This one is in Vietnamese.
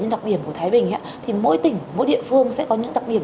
đặc điểm của thái bình thì mỗi tỉnh mỗi địa phương sẽ có những đặc điểm